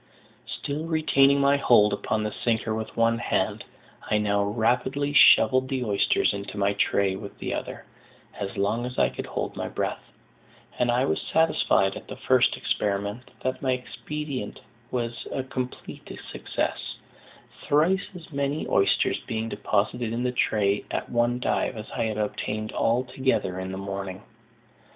Still retaining my hold upon the sinker with one hand, I now rapidly shovelled the oysters into my "tray" with the other, as long as I could hold my breath; and I was satisfied, at the first experiment, that my expedient was a complete success, thrice as many oysters being deposited in the tray at one dive as I had obtained altogether in the morning.